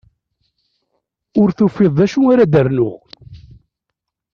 Ur tufiḍ d acu ara d-rnuɣ.